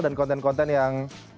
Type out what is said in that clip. dan konten konten yang